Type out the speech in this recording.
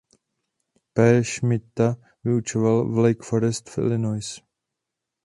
P. Schmidta vyučoval v Lake Forest v Illinois.